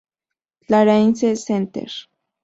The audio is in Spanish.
Clarence Center